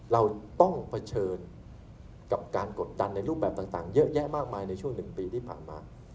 เราต้องเผชิญกับการกดดันในรูปแบบต่างเยอะแยะมากมายในช่วง๑ปีที่ผ่านมา